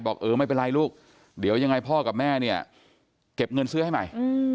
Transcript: บอกเออไม่เป็นไรลูกเดี๋ยวยังไงพ่อกับแม่เนี่ยเก็บเงินซื้อให้ใหม่